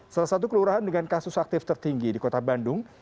salah satu kelurahan dengan kasus aktif tertinggi di kota bandung